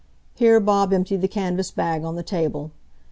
Here Bob emptied the canvas bag on the table.